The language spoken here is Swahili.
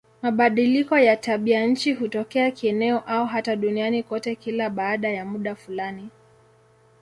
Mabadiliko ya tabianchi hutokea kieneo au hata duniani kote kila baada ya muda fulani.